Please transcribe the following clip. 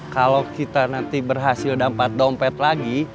kalau kita nanti berhasil dapat dompet lagi